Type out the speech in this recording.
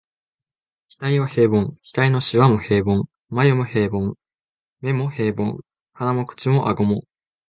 額は平凡、額の皺も平凡、眉も平凡、眼も平凡、鼻も口も顎も、